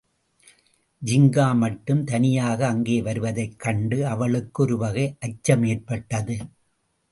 ஜின்கா மட்டும் தனியாக அங்கே வருவதைக் கண்டு அவளுக்கு ஒருவகை அச்சமேற்பட்டது.